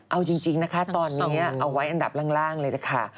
เอาจริงนะคะตอนนี้เอาไว้อันดับล่างเลยนะคะ